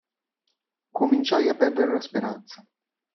Cominciai a perdere la speranza.